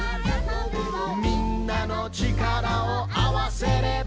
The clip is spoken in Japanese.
「みんなの力をあわせれば」